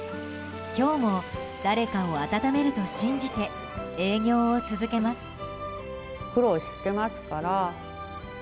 今日も誰かを温めると信じて営業を続けます。